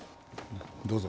どうぞ。